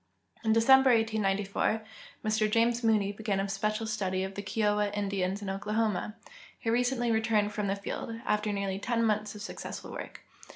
In December, 1894, IMr James Mooney began a special study of tlie Kiowa Indians in Oklahoma. He recently returned from the field, after nearly ten months of successful Avork.